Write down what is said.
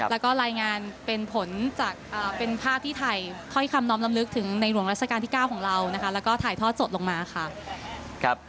แล้วก็รายงานเป็นผลจากเป็นภาพที่ถ่ายถ้อยคำน้อมลำลึกถึงในหลวงราชการที่๙ของเรานะคะแล้วก็ถ่ายทอดสดลงมาค่ะ